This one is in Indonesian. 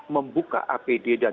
membuka apd dan